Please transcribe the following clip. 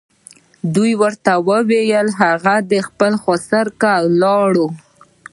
دوی ورته وویل هغه د خپل خسر کره ولاړ.